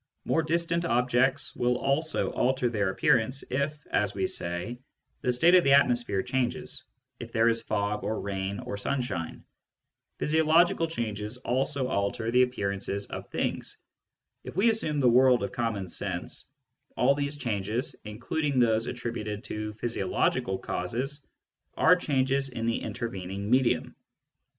More distant objects will also alter their appearance if (as we say) the state of the atmosphere changes — if there is fog or rain or sun Digitized by Google 78 SCIENTIFIC METHOD IN PHILOSOPHY shine. Physiological changes also alter the appearances of things. If we assume the world of common sense, all these changes, including those attributed to physio logical causes, are changes in the intervening medium.